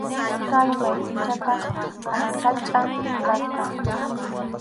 Kay mallkichataq aransachʼa kasqa.